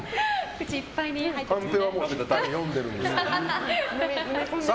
口いっぱいに入ってますね。